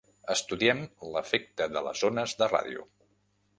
Estudiem l'efecte de les ones de ràdio.